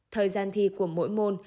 thời gian thi của mỗi môn